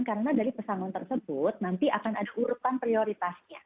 karena dari pesanuan tersebut nanti akan ada urutan prioritasnya